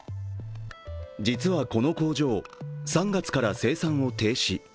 実はこの工場、３月から生産を停止。